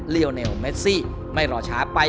ลีออนัลเมซิไม่รอช้าไป